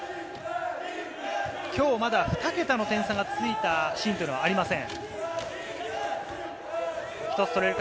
今日まだ２桁の点差がついたシーンというのはありません。